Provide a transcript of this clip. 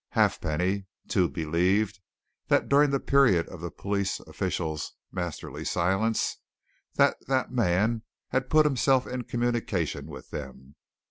Halfpenny, too, believed, during the period of the police officials' masterly silence, that that man had put himself in communication with them.